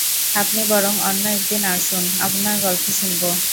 আপনি বরং অন্য একদিন আসুন, আপনার গল্প শুনব।